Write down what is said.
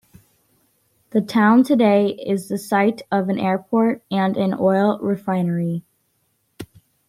The town today is the site of an airport and an oil refinery.